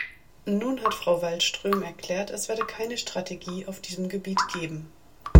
Nun hat Frau Wallström erklärt, es werde keine Strategie auf diesem Gebiet geben.